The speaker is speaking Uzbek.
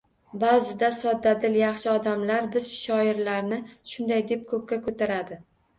Baʼzida soddadil, yaxshi odamlar bizshoirlarni shunday deb koʻkka koʻtaradi